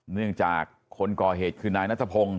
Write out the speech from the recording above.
เนื่องจากคนก่อเหตุคือนายนัทพงศ์